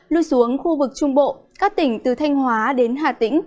lui xuống khu vực trung bộ các tỉnh từ thanh hóa đến hà tĩnh